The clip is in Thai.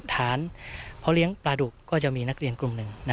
ฐานพ่อเลี้ยงปลาดุกก็จะมีนักเรียนกลุ่มหนึ่ง